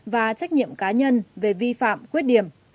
và trách nhiệm cá nhân về vi phạm khuyết điểm